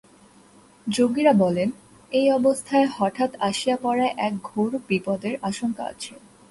যোগীরা বলেন, এই অবস্থায় হঠাৎ আসিয়া পড়ায় এক ঘোর বিপদের আশঙ্কা আছে।